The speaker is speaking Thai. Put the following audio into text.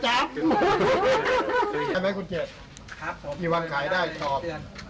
ใช่ไหมคุณเกดครับอีหวังขายได้ชอบ